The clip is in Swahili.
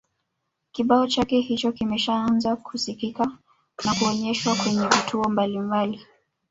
kibao chake hicho kimeshaanza kusikika na kuonyeshwa kwenye vituo mbalimbali